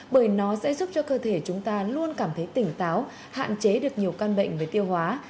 bởi nó sẽ giúp cho cơ thể chúng ta luôn cảm thấy tỉnh táo hạn chế được nhiều căn bệnh về tiêu hóa